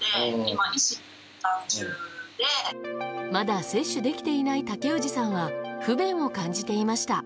まだ接種できていない竹氏さんは不便を感じていました。